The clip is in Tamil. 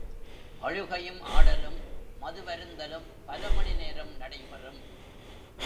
அழுகையும், ஆடலும், மதுவருந்தலும் பலமணி நேரம் நடைபெறும்.